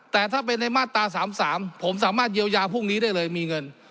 แต่ถ้าเป็นในมาตรา๓๓ผมสามารถเยียวยาพรุ่งนี้ได้เลยมีเงิน